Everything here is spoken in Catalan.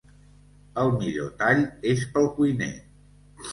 El millor tall és pel cuiner.